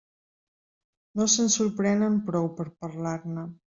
No se'n sorprenen prou per a parlar-ne.